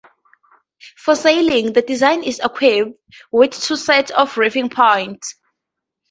For sailing the design is equipped with two sets of reefing points.